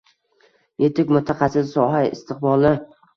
Yetuk mutaxassis – soha istiqboli